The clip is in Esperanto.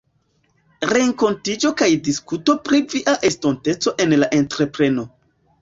rekontiĝo kaj diskuto pri via estonteco en la entrepreno.